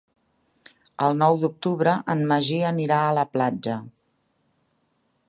El nou d'octubre en Magí anirà a la platja.